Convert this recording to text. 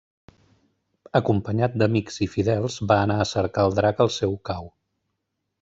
Acompanyat d'amics i fidels va anar a cercar el drac al seu cau.